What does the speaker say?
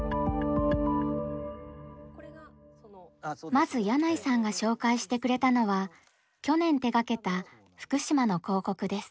まず箭内さんが紹介してくれたのは去年手がけた福島の広告です。